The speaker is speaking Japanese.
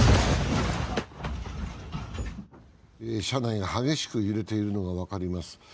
車内が激しく揺れているのが分かります。